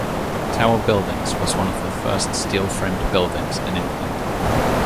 Tower Buildings was one of the first steel-framed buildings in England.